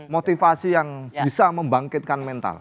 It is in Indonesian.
motivasi yang bisa membangkitkan mental